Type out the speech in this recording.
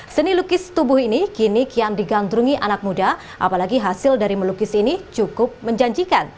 seni lukis tubuh ini kini kian digandrungi anak muda apalagi hasil dari melukis ini cukup menjanjikan